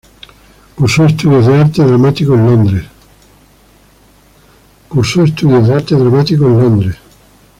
Cursó estudios de Arte Dramático en Londres.